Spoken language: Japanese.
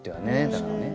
だからね。